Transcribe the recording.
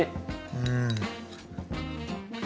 うん。